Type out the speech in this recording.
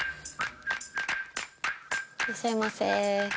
いらっしゃいませ。